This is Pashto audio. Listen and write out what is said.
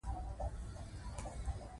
صوفي سما نڅا مراسم یې هم یاد کړي.